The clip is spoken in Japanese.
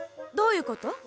どういうこと？